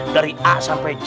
dari a sampai z